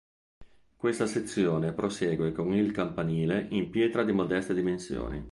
Questa sezione prosegue con il campanile in pietra di modeste dimensioni.